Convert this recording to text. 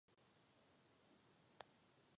Účinkuje tam například vydavatel či grafik hry.